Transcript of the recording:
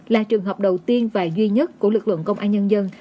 là trường hợp đầu tiên và duy nhất của lực lượng công an nhân dân